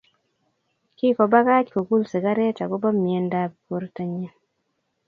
Kikobakach kokul sikaret akoba miendap borto nyi